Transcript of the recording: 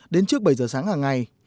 đến trước bảy giờ sáng hàng ngày